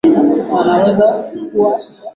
Video za watu wengi.